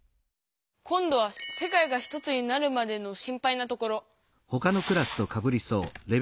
今どは「世界がひとつになるまで」の「心配なところ」。